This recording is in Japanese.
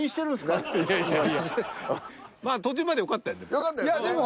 まあ途中までよかったやんでも。